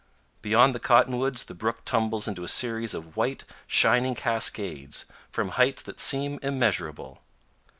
Beyond the cottonwoods the brook tumbles in a series of white, shining cascades from heights that seem immeasurable.